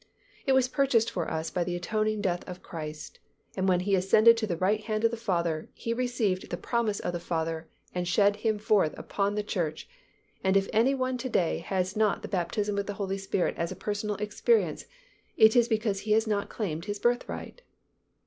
It was purchased for us by the atoning death of Christ, and when He ascended to the right hand of the Father, He received the promise of the Father and shed Him forth upon the church, and if any one to day has not the baptism with the Holy Spirit as a personal experience, it is because he has not claimed his birthright.